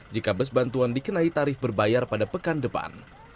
jika bus bantuan dikenai tarif berbayar pada pekan depan